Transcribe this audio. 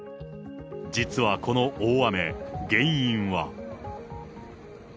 実はこの大雨、原因は。